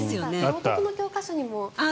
道徳の教科書にも。